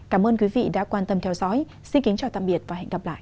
cảm ơn quý vị đã quan tâm theo dõi xin kính chào tạm biệt và hẹn gặp lại